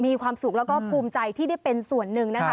มีความสุขแล้วก็ภูมิใจที่ได้เป็นส่วนหนึ่งนะคะ